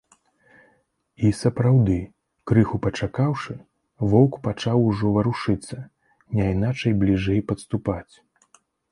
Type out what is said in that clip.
І, сапраўды, крыху пачакаўшы, воўк пачаў ужо варушыцца, няйначай бліжэй падступаць.